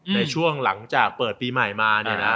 ในช่วงหลังจากเปิดปีใหม่มา